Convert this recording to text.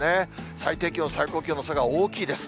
最低気温、最高気温の差が大きいです。